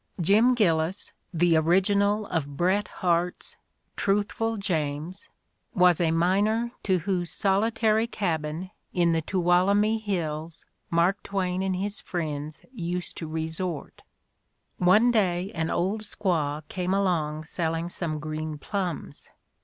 Jim Gillis, the original of Bret Harte 's '' Truthful James, '' was a miner to whose solitary cabin in the Tuolumne hills Mark Twain and his friends used to resort. One day an old squaw came along selling some green plums.